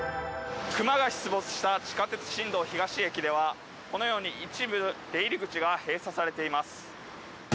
クマが出没した地下鉄新道東駅ではこのように一部出入り口が閉鎖されています。